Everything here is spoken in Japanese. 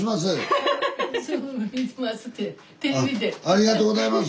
ありがとうございます。